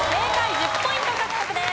１０ポイント獲得です。